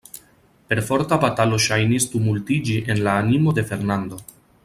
Perforta batalo ŝajnis tumultiĝi en la animo de Fernando.